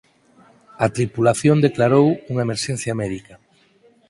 A tripulación declarou unha emerxencia médica.